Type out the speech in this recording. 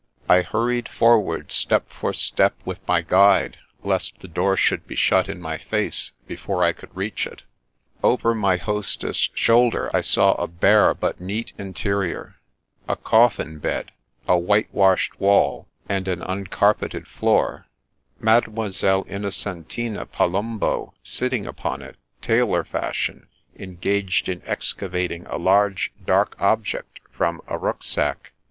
I hurried forward, step for step with my guide, lest the door should be shut in my face before I could reach it. Over my hostess* shoulder, I saw a bare but neat interior ; a " coffin " bed, a white washed wall, and an uncarpeted floor, Made moiselle Innocentina Palumbo sitting upon it, tailor fashion, engaged in excavating a large, dark object from a rucksack.